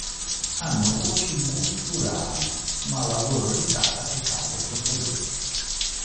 Hanno voci gutturali, ma la loro risata è calda e contagiosa.